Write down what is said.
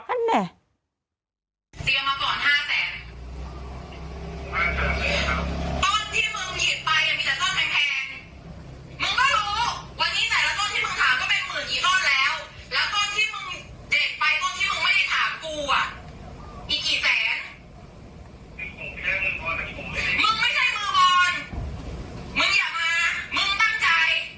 นั่นแหละ